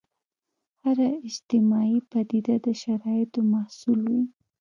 هره اجتماعي پدیده د شرایطو محصول وي.